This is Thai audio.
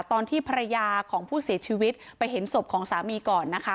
ตอนที่ภรรยาของผู้เสียชีวิตไปเห็นศพของสามีก่อนนะคะ